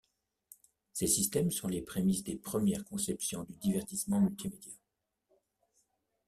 Ces systèmes sont les prémices des premières conceptions du divertissement multimédia.